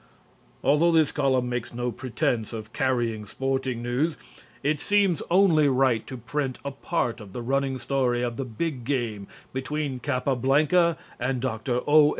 Although this column makes no pretense of carrying sporting news, it seems only right to print a part of the running story of the big game between Capablanca and Dr. O.